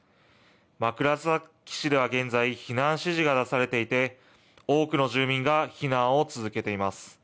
枕崎市では現在、避難指示が出されていて、多くの住民が避難を続けています。